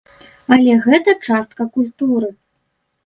Але гэта частка культуры.